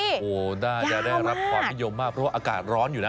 โอ้โหน่าจะได้รับความนิยมมากเพราะว่าอากาศร้อนอยู่นะ